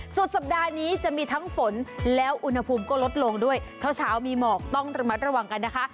สุดสัปดาห์นี้จะมีทั้งฝนแล้วอุณหภูมิก็ลดลงด้วยเช้าเช้ามีหมอกต้องระมัดระวังกันนะคะ